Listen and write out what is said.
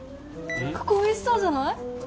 ここおいしそうじゃない？